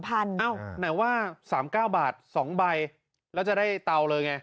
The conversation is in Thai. ไหนว่า๓๙บาท๒ใบแล้วจะได้เตาเลยไง